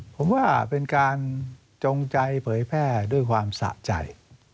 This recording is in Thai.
ผมว่าเป็นการจงใจเผยแพร่ด้วยความสะใจ